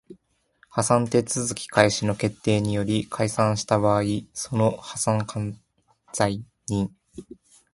破産手続開始の決定により解散した場合その破産管財人